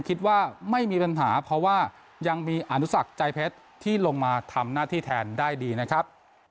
คิดว่าไม่มีปัญหาเพราะว่ายังมีอนุสักใจเพชรที่ลงมาทำหน้าที่แทนได้ดีนะครับ